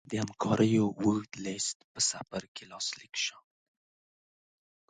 د همکاریو اوږد لېست په سفر کې لاسلیک شو.